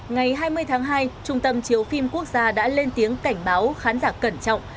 ngày hai mươi tháng hai trung tâm chiếu phim quốc gia đã lên tiếng cảnh báo khán giả cẩn trọng